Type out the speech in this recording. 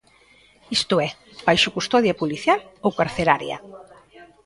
Isto é: baixo custodia policial ou carceraria.